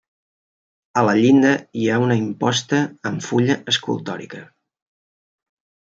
A la llinda hi ha una imposta amb fulla escultòrica.